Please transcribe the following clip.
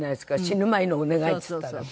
「死ぬ前のお願い」っつったら。